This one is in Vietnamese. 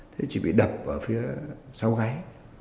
thế chỉ bị đập vào phía sau gáy